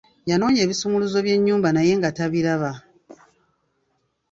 Yanoonya ebisumuluzo by'ennyumba naye nga tabiraba.